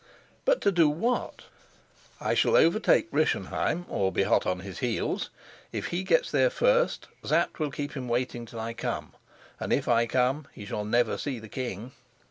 "But to do what?" "I shall overtake Rischenheim or be hot on his heels. If he gets there first, Sapt will keep him waiting till I come; and if I come, he shall never see the king.